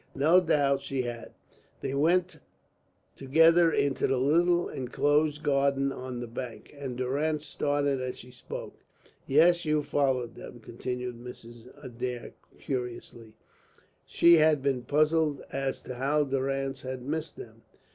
"No doubt she had." "They went together into the little enclosed garden on the bank," and Durrance started as she spoke. "Yes, you followed them," continued Mrs. Adair, curiously. She had been puzzled as to how Durrance had missed them.